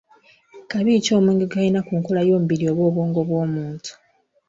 Kabi ki omwenge gwe kalina ku nkola y'omubiri oba obwongo bw'omuntu?